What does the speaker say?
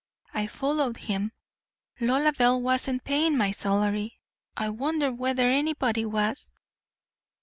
I followed him. Lolabelle wasn't paying my salary. I wondered whether anybody was.